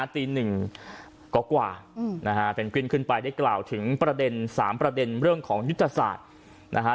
ตีหนึ่งก็กว่านะฮะเพนกวินขึ้นไปกล่าวถึงสามประเด็นเรื่องของยุทธศาสตร์